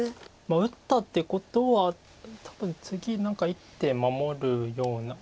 打ったってことは多分次何か１手守るような。